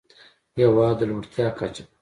هېواد د لوړتيا کچه ده.